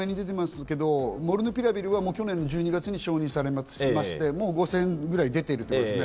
モルヌピラビルは去年１２月に承認されまして、もう５０００ぐらいでている。